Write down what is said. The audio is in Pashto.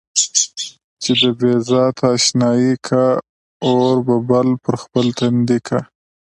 چې د بې ذاته اشنايي کا، اور به بل پر خپل تندي کا.